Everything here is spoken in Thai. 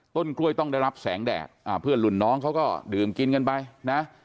ต้นกล้วยต้องได้รับแสงแดดอ่าเพื่อนรุ่นน้องเขาก็ดื่มกินกันไปนะ